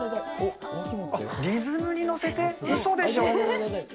リズムに乗せて、うそでしょう。